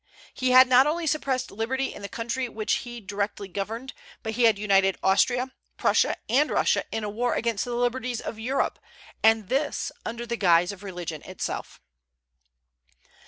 He had not only suppressed liberty in the country which he directly governed, but he had united Austria, Prussia, and Russia in a war against the liberties of Europe, and this under the guise of religion itself.